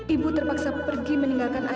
ibu terpaksa pergi meninggalkan anaknya